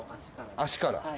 足から？